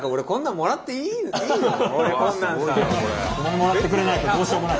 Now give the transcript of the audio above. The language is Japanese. もらってくれないとどうしようもない。